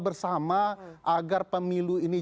bersama agar pemilu ini